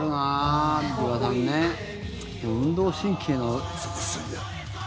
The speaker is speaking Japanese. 運動神経の。